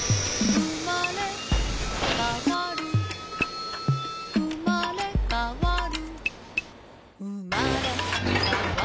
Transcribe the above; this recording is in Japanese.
「うまれかわるうまれかわる」